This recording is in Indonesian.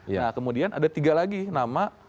nah kemudian ada tiga lagi nama